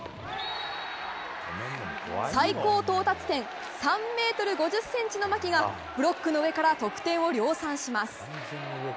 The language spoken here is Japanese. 最高到達点３ｍ５０ｃｍの牧がブロックの上から得点を量産します。